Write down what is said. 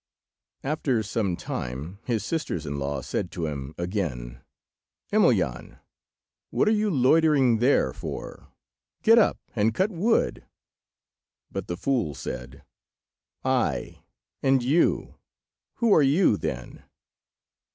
After some time his sisters in law said to him again— "Emelyan, what are you loitering there for? Get up and cut wood." But the fool said— "Ay! and you! who are you, then?"